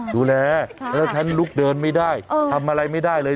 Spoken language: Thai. ดูแลแล้วฉันลุกเดินไม่ได้ทำอะไรไม่ได้เลย